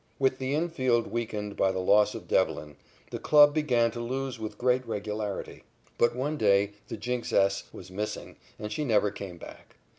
With the infield weakened by the loss of Devlin, the club began to lose with great regularity. But one day the jinxess was missing and she never came back.